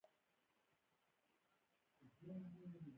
له زیارته کور ته ناوخته راورسېدو.